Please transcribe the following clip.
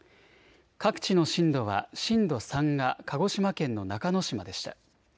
各地の震度は震度３が鹿児島県の中之島でした。